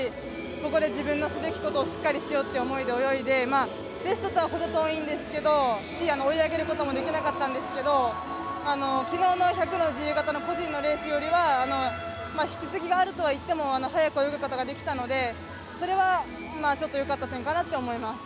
ここで自分のすべきことをしっかりしようという思いで泳いでベストとは程遠いですし追い上げることもできなかったんですけどきのうの１００の自由形の個人のレースよりは引き継ぎがあるとはいっても速く泳ぐことができたのでそれはちょっとよかった点かなと思います。